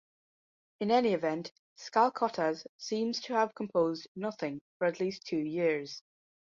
In any event Skalkottas seems to have composed nothing for at least two years.